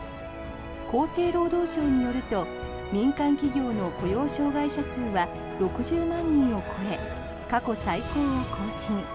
厚生労働省によると民間企業の雇用障害者数は６０万人を超え過去最高を更新。